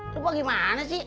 lu bagaimana sih